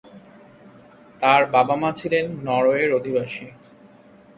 তাঁর বাবা-মা ছিলেন নরওয়ের অভিবাসী।